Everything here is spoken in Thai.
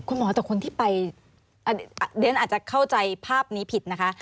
คุณหมอแต่คนที่ไปเรียนอาจจะเข้าใจภาพนี้ผิดนะคะ